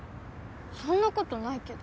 そんなことないけど。